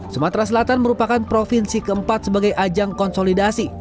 sumatera selatan merupakan provinsi keempat sebagai ajang konsolidasi